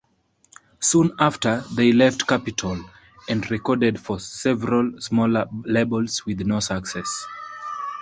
Soon after, they left Capitol and recorded for several smaller labels with no success.